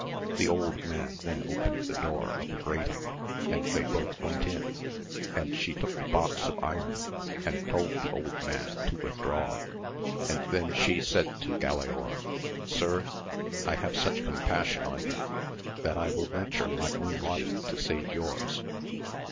The old man then opened the door of the grating, and they both went in, and she took the box of iron, and told the old man to withdraw, and then she said to Galaor, Sir, I have such compassion on you, that I will venture my own life to save yours.